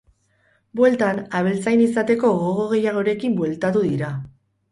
Bueltan, abeltzain izateko gogo gehiagorekin bueltatu dira.